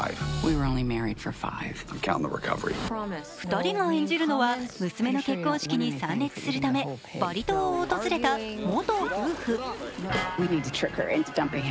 ２人が演じるのは娘の結婚式に参列するためバリ島を訪れた元夫婦。